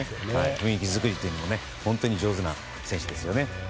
雰囲気作りも本当に上手な選手ですね。